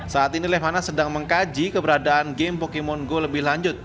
saat ini lemana sedang mengkaji keberadaan game pokemon go lebih lanjut